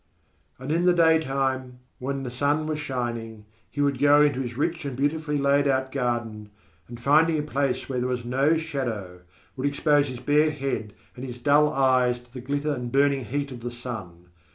And in the daytime, when the sun was shining, he would go into his rich and beautifully laid out garden, and finding a place where there was no shadow, would expose his bare head and his dull eyes to the glitter and burning heat of the sun.